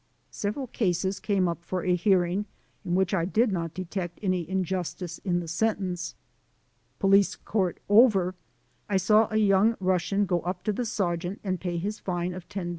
Several cases came up for I GO TO JAIL ONCE MORE 271 a hearing in which I did not detect any injustice in the sentence. Police court over, I saw a young Rus sian go up to the sergeant and pay his fine of $10.